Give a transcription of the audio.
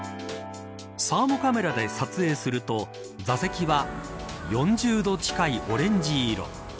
サーモカメラで撮影すると座席は４０度近いオレンジ色。